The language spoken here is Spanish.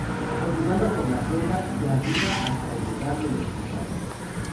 Continuando por la senda se arriba hasta el lugar de los Corrales.